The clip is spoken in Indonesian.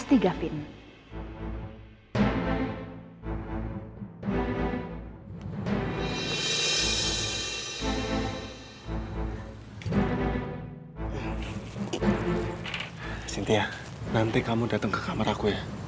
sintia nanti kamu datang ke kamar aku ya